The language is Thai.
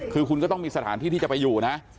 คือคุณก็ต้องมีสถานที่ที่จะไปอยู่นะ